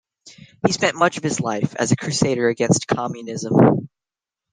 He spent much of his life as a crusader against communism.